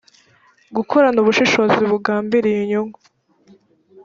gukorana ubushishozi bugambiriye inyungu